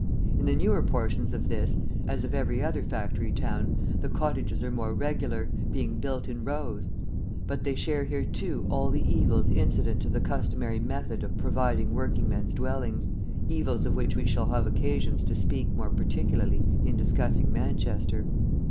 In the newer portions of this, as of every other factory town, the cottages are more regular, being built in rows, but they share here, too, all the evils incident to the customary method of providing working men's dwellings, evils of which we shall have occasions to speak more particularly in discussing Manchester.